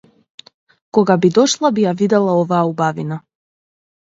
Кога би дошла би ја видела оваа убавина.